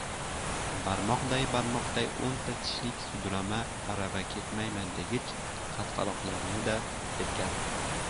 Barmoqday-barmoqday o‘nta tishlik sudrama arava ketmayman degich qatqaloqlarni-da ketkazdi.